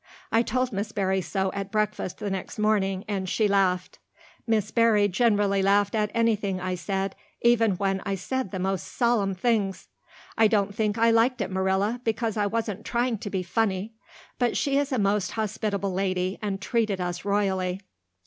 I told Miss Barry so at breakfast the next morning and she laughed. Miss Barry generally laughed at anything I said, even when I said the most solemn things. I don't think I liked it, Marilla, because I wasn't trying to be funny. But she is a most hospitable lady and treated us royally."